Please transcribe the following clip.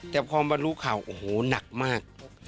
แต่พอมารู้ข่าวโอ้โหหนักมาก